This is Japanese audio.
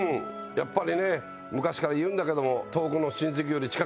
やっぱりね昔から言うんだけども。